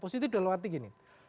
positif dalam arti gini